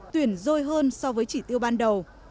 tuyển dôi hơn so với chỉ tiêu ban đầu